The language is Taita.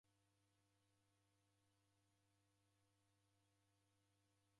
Harusi yaidie nicha